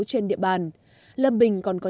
trên địa bàn lâm bình còn có